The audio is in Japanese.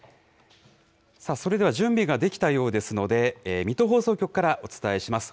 それでは準備ができたようですので、水戸放送局からお伝えします。